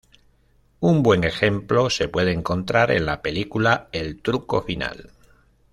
Un buen ejemplo se puede encontrar en la película "El truco final".